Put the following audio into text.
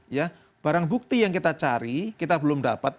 ya barang bukti yang kita cari kita belum dapat